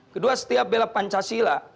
kedua setiap bela pancasila